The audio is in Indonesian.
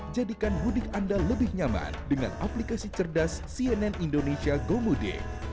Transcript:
jadikan mudik anda lebih nyaman dengan aplikasi cerdas cnn indonesia gomudik